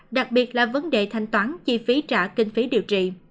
đặc biệt là vấn đề thanh toán chi phí trả kinh phí điều trị